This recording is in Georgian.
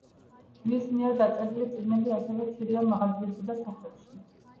მის მიერ დაწერილი წიგნები ასევე ხშირია მაღაზიებსა და სახლებში.